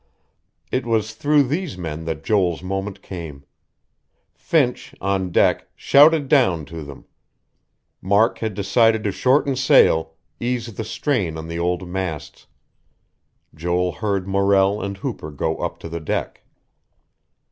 It was through these men that Joel's moment came. Finch, on deck, shouted down to them.... Mark had decided to shorten sail, ease the strain on the old masts. Joel heard Morrell and Hooper go up to the deck....